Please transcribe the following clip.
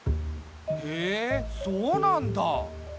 へえそうなんだ。